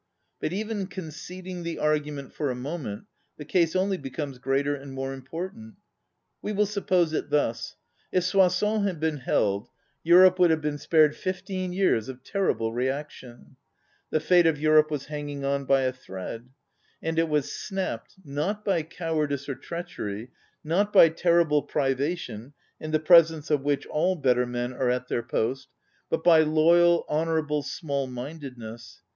But even conceding the argument for a moment, the case only becomes greater and more important. We will suppose it thus: If Soissons had been held, Europe would have been spared fifteen years of terrible re action. The fate of Europe was hanging on a thread. And it was snapped, not by cowardice or treach ery, not by terrible privation, in the presence of which all better men are 59 ON READING at their post, but by loyal, honorable small mindedness.